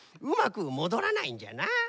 うまくもどらないんじゃな。